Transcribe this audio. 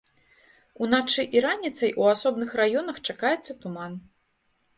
Уначы і раніцай у асобных раёнах чакаецца туман.